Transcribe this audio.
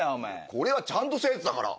これはちゃんとしたやつだから！